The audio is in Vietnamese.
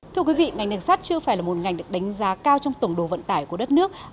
thưa quý vị ngành đường sắt chưa phải là một ngành được đánh giá cao trong tổng đồ vận tải của đất nước